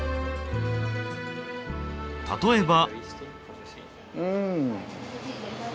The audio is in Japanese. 例えば。